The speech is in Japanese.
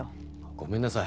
ごめんなさい。